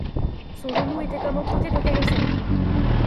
Son genou était comme encroûté de caillots secs.